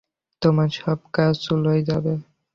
তোমার সব কাজ চুলোয় যাবে।